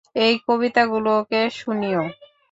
এই কবিতাগুলো ওকে শুনিও।